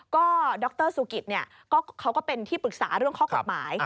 ก็ดรสุกิตเขาก็เป็นที่ปรึกษาเรื่องข้อกฎหมาย